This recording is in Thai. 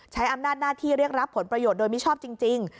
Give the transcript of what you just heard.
ใช้อำนาจหน้าที่เรียกรับผลประโยชน์โดยมิชอบจริง